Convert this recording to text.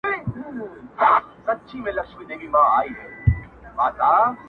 نن چي محتسب پر ګودرونو لنډۍ وچي کړې-